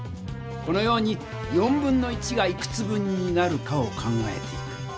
このように1/4がいくつ分になるかを考えていく。